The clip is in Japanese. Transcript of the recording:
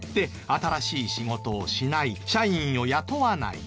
新しい仕事をしない社員を雇わない。